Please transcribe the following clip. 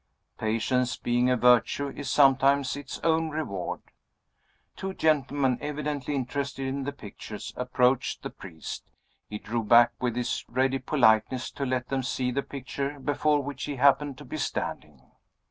Patience, being a virtue, is sometimes its own reward. Two gentlemen, evidently interested in the pictures, approached the priest. He drew back, with his ready politeness, to let them see the picture before which he happened to be standing.